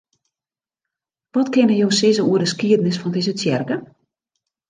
Wat kinne jo sizze oer de skiednis fan dizze tsjerke?